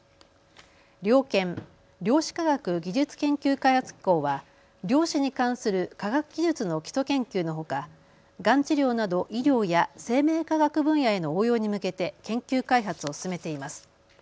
量研・量子科学技術研究開発機構は量子に関する科学技術の基礎研究のほか、がん治療など医療や生命科学分野への応用に向けて研究開発を進めています。